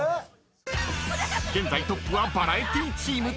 ［現在トップはバラエティチーム］